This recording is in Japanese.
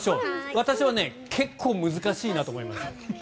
私は結構難しいなと思いました。